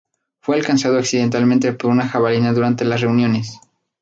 Fue alcanzado accidentalmente por una jabalina durante las reuniones.